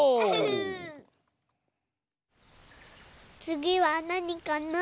つぎはなにかな？